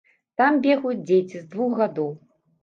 Там бегаюць дзеці з двух гадоў.